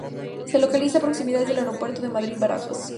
Se localiza a proximidad del Aeropuerto de Madrid-Barajas.